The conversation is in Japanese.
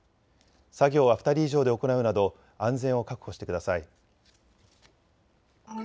作業は２人以上で行うなど安全を確保してください。